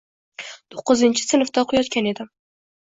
Toʻqqizinchi sinfda oʻqiyotgan eim.